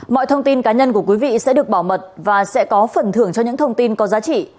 mọi thông tin cá nhân của quý vị sẽ được bảo mật và sẽ có phần thưởng cho những thông tin có giá trị